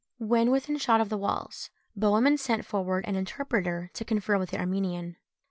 When within shot of the walls, Bohemund sent forward an interpreter to confer with the Armenian.